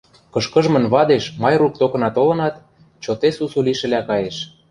Кышкыжмын вадеш Майрук токына толынат, чоте сусу лишӹлӓ каеш.